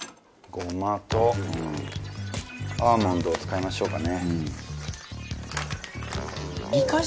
ゴマとアーモンドを使いましょうかね。